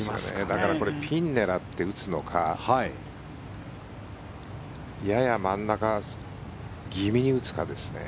だからこれピンを狙って打つのかやや真ん中気味に打つかですね。